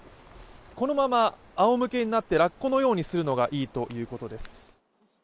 このままあおむけになってラッコのようにするのがいいということです。